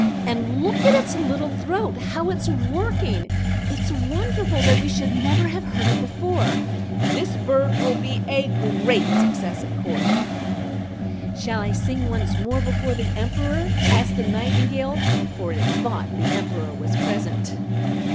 "And look at its little throat, how it's working! It's wonderful that we should never have heard it before. That bird will be a great success at court." "Shall I sing once more before the Emperor?" asked the Nightingale, for it thought the Emperor was present.